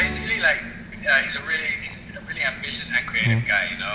sebenarnya dia adalah orang yang ambisius dan kreatif